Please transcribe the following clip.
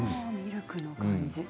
ミルクの感じ